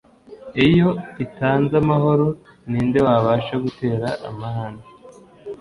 “iyo itanze amahoro ni nde wabasha gutera amahane’